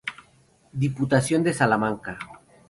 Diputación de Salamanca.